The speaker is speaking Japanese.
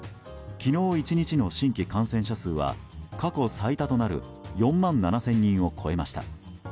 昨日１日の新規感染者数は過去最多となる４万７０００人を超えました。